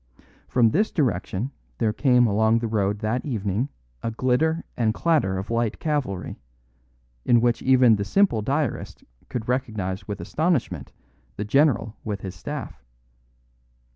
From this direction there came along the road that evening a glitter and clatter of light cavalry, in which even the simple diarist could recognise with astonishment the general with his staff.